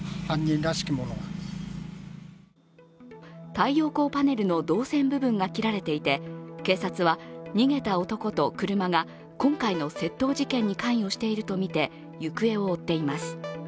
太陽光パネルの銅線部分が切られていて警察は逃げた男と車が今回の窃盗事件に関与しているとみて行方を追っています。